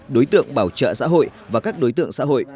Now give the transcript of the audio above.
đối tượng bảo trợ xã hội và các đối tượng xã hội